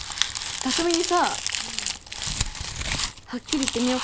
匠にさはっきり言ってみようかなって。